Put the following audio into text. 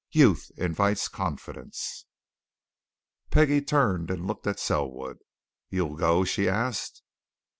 Youth invites confidence." Peggie turned and looked at Selwood. "You'll go?" she asked.